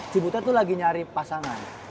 cibutet itu lagi nyari pasangan